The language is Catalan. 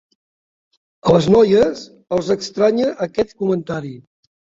A les noies, els estranya aquest comentari.